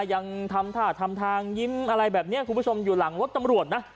ยังทำท่าทำทางยิ้มอะไรแบบนี้คุณผู้ชมอยู่หลังรถตำรวจนะ